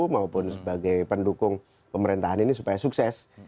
maupun sebagai pendukung pemerintahan ini supaya sukses